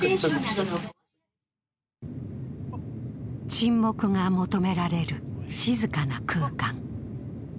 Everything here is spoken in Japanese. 沈黙が求められる静かな空間。